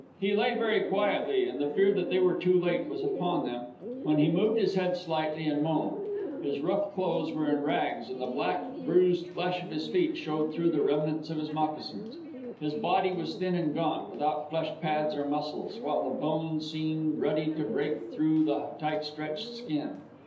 He lay very quietly, and the fear that they were too late was upon them, when he moved his head slightly and moaned. His rough clothes were in rags, and the black, bruised flesh of his feet showed through the remnants of his moccasins. His body was thin and gaunt, without flesh pads or muscles, while the bones seemed ready to break through the tight stretched skin.